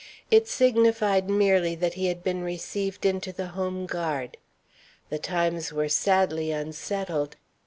It signified merely that he had been received into the home guard. The times were sadly unsettled.